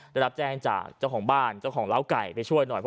ได้รับแจ้งจากเจ้าของบ้านเจ้าของเล้าไก่ไปช่วยหน่อย